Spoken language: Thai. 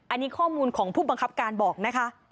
อันนี้ข้อมูลของผู้บังคับการบอกนะคะ